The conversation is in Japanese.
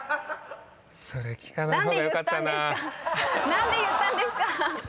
何で言ったんですか